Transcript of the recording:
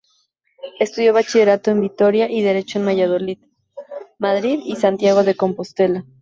Estudió bachillerato en Vitoria y Derecho en Valladolid, Madrid y Santiago de Compostela.